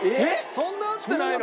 そんな会ってないの？